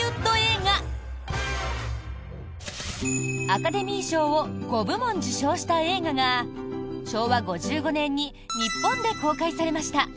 アカデミー賞を５部門受賞した映画が昭和５５年に日本で公開されました。